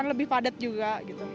iya lebih padat juga